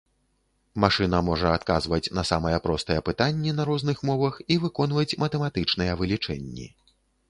Машына можа адказваць на самыя простыя пытанні на розных мовах і выконваць матэматычныя вылічэнні.